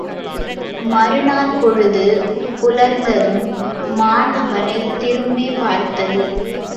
மறு நாள் பொழுது புலர்ந்ததும், மான் அவனைத் திரும்பிப் பார்த்தது.